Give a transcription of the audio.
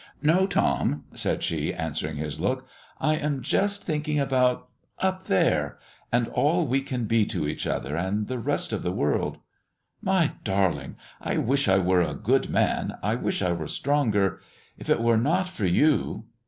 "No, Tom," said she, answering his look, "I'm just thinking about up there! and all we can be to each other and the rest of the world." "My darling! I wish I were a good man, I wish I were stronger! If it were not for you!"